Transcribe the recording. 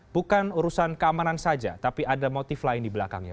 bukan urusan keamanan saja tapi ada motif lain di belakangnya